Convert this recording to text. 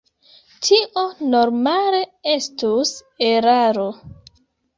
Tio normale estus eraro.